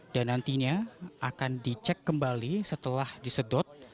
dan nantinya akan dicek kembali setelah disedot